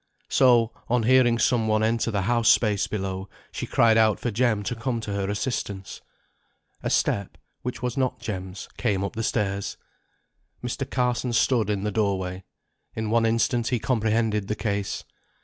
So, on hearing some one enter the house place below, she cried out for Jem to come to her assistance. A step, which was not Jem's, came up the stairs. Mr. Carson stood in the door way. In one instant he comprehended the case.